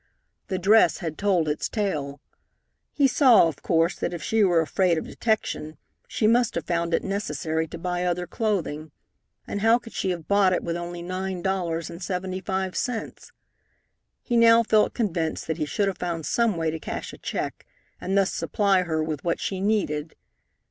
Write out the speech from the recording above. The dress had told its tale. He saw, of course, that if she were afraid of detection, she must have found it necessary to buy other clothing, and how could she have bought it with only nine dollars and seventy five cents? He now felt convinced that he should have found some way to cash a check and thus supply her with what she needed.